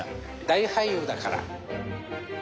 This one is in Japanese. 大俳優だから。